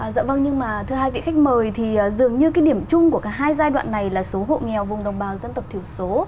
dạ vâng nhưng mà thưa hai vị khách mời thì dường như cái điểm chung của cả hai giai đoạn này là số hộ nghèo vùng đồng bào dân tộc thiểu số